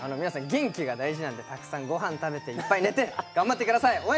皆さん元気が大事なんでたくさん御飯食べていっぱい寝て頑張って下さい！